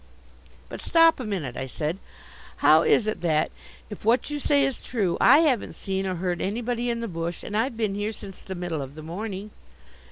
"But stop a minute," I said. "How is it that, if what you say is true, I haven't seen or heard anybody in the bush, and I've been here since the middle of the morning?"